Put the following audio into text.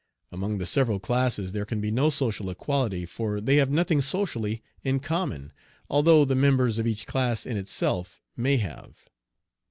Among the several classes there can be no social equality, for they have nothing socially in common, although the members of each class in itself may have.